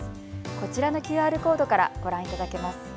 こちらのＱＲコードからご覧いただけます。